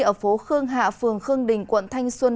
ở phố khương hạ phường khương đình quận thanh xuân